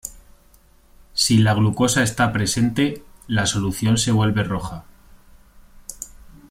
Si la glucosa está presente, la solución se vuelve roja.